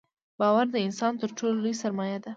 • باور د انسان تر ټولو لوی سرمایه ده.